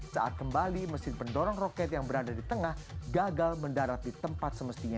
saat kembali mesin pendorong roket yang berada di tengah gagal mendarat di tempat semestinya